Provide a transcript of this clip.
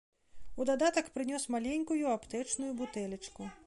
У дадатак прынёс маленькую аптэчную бутэлечку.